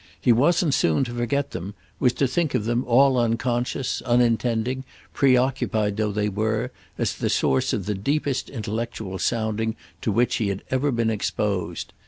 He wasn't soon to forget them, was to think of them, all unconscious, unintending, preoccupied though they were, as the source of the deepest intellectual sounding to which he had ever been exposed.